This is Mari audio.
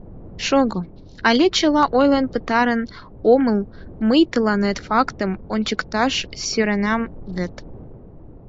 — Шого, але чыла ойлен пытарен омыл, мый тыланет фактым ончыкташ сӧренам вет.